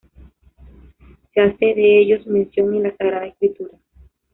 Se hace de ellos mención en la Sagrada Escritura.